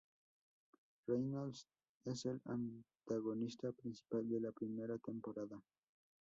Reynolds es el antagonista principal de la primera temporada.